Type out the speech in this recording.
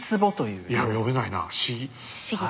いや読めないなしぎ。